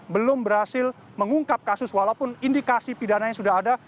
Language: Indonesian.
belum berhasil mengungkap kasus walaupun indikasi pidananya sudah ada